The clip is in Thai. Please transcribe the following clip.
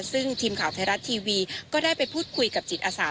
ซึ่งทีมข่าวไทยรัฐทีวีก็ได้ไปพูดคุยกับจิตอาสา